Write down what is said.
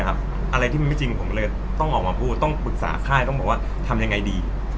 อะไรที่มันไม่จริงผมเลยต้องออกมาพูดต้องปรึกษาค่ายต้องบอกว่าทำยังไงดี